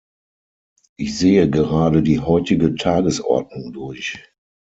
Ich sehe gerade die heutige Tagesordnung durch.